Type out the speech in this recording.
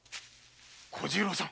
小十郎さん！